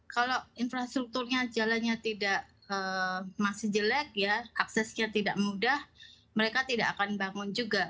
kalau infrastrukturnya jalannya tidak masih jelek ya aksesnya tidak mudah mereka tidak akan bangun juga